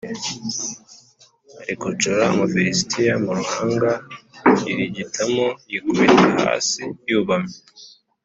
arikocora Umufilisitiya mu ruhanga ririgitamo, yikubita hasi yubamye.